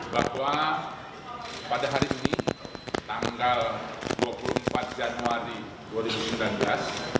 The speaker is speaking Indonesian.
bahwa pada hari ini tanggal dua puluh empat januari